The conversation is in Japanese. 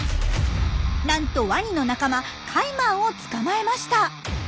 なんとワニの仲間カイマンを捕まえました。